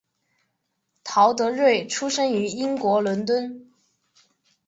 陶德瑞出生于英国伦敦。